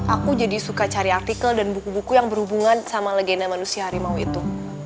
aku jadi suka cari artikel dan buku buku yang berhubungan sama legenda manusia harimau itu